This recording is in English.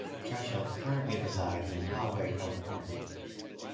Trachsel currently resides in Poway, California.